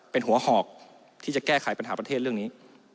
เป็นหัวหอกที่จะแก้ไขปัญหาประเทศเรื่องนี้